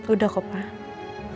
udah kok pak